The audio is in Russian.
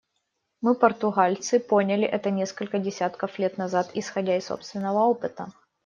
Мы, португальцы, поняли это несколько десятков лет назад, исходя из собственного опыта.